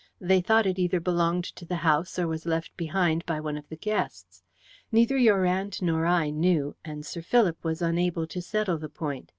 They thought it either belonged to the house or was left behind by one of the guests. Neither your aunt nor I knew, and Sir Philip was unable to settle the point.